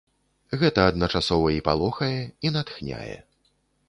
Гэта адначасова і палохае, і натхняе.